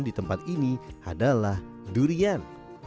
di tempat ini adalah durian